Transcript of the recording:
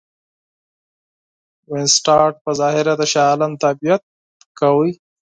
وینسیټارټ په ظاهره د شاه عالم تابعیت کاوه.